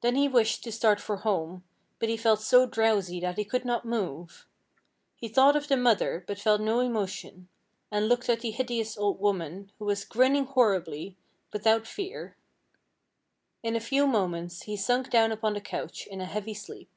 Then he wished to start for home, but he felt so drowsy that he could not move. He thought of the mother, but felt no emotion, and looked at the hideous old woman, who was grinning horribly, without fear. In a few moments he sunk down upon the couch, in a heavy sleep.